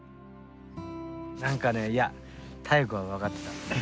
何かねいや妙子は分かってたんだと思うよ。